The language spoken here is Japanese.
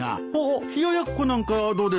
冷や奴なんかどうです？